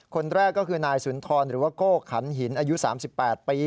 คนแรกก็คือนายสุนทรหรือว่าโก้ขันหินอายุ๓๘ปี